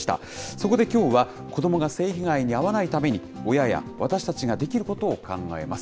そこできょうは子どもが性被害に遭わないために、親や私たちができることを考えます。